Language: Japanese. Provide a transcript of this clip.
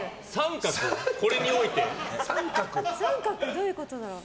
どういうことだろう。